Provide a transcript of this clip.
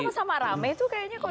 kan sama sama rame tuh kayaknya